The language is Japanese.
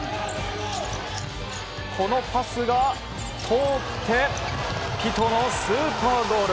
このパスが通ってスーパーゴール。